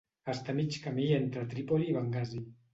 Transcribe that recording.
Està a mig camí entre Trípoli i Bengasi.